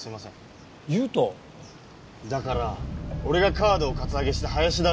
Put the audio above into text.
だから俺がカードをカツアゲした林田悠斗。